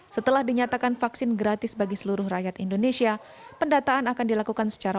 setelah dinyatakan vaksin gratis bagi seluruh rakyat indonesia pendataan akan dilakukan secara